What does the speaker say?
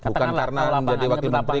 bukan karena menjadi wakil menteri